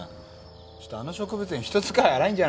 ちょっとあの植物園人使い荒いんじゃないの？